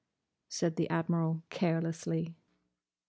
said the Admiral carelessly.